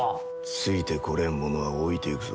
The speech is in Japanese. ついてこれん者は置いていくぞ。